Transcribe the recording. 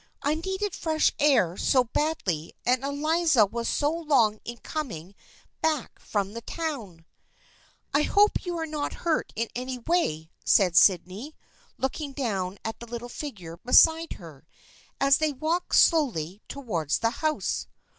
I needed fresh air so badly and Eliza was so long in coming back from the town." " I hope you are not hurt in any way," said Sydney, looking down at the little figure beside her, as they walked slowly towards the house.